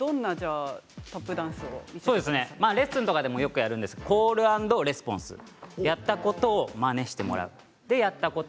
レッスンとかでもよくやるんですがコールアンドレスポンスやったことをまねしてもらう。